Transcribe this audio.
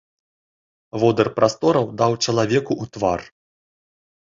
Водыр прастораў даў чалавеку ў твар.